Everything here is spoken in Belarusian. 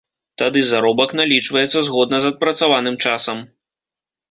Тады заробак налічваецца згодна з адпрацаваным часам.